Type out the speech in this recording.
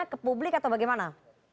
ke publik atau bagaimana